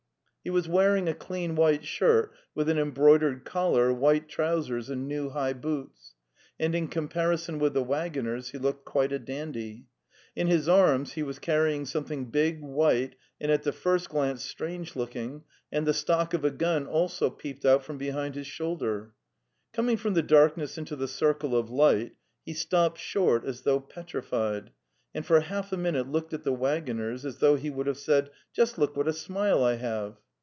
He was wearing a clean white shirt with an em broidered collar, white trousers, and new high boots, and in comparison with the waggoners he looked quite a dandy. In his arms he was carrying some thing big, white, and at the first glance strange look ing, and the stock of a gun also peeped out from be hind his shoulder. Coming from the darkness into the circle of light, he stopped short as though petrified, and for half a minute looked at the waggoners as though he would have said: '"* Just look what a smile I have!